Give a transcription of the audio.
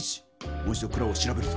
もう一度蔵を調べるぞ。